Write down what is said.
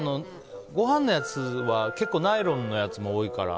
ごはんのやつは結構、ナイロンのやつも多いから。